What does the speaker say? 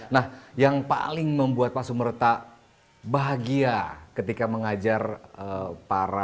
nah yang paling membuat pak sumerta bahagia ketika mengajar para